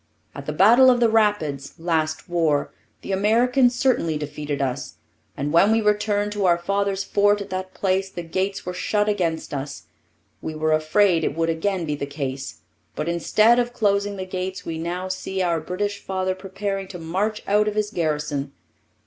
At the battle of the Rapids, last war, the Americans certainly defeated us; and when we returned to our father's fort at that place, the gates were shut against us. We were afraid it would again be the case, but instead of closing the gates we now see our British father preparing to march out of his garrison.